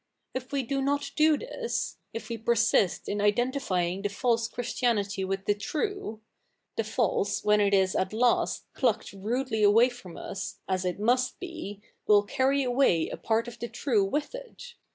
If we do fiot do this — if ive persist in idefitifying the false Christi afiity with the trite — the false, whefi it is at last plucked rudely awayfom us, as it ffiust be, will carry away a part \ of the true with it.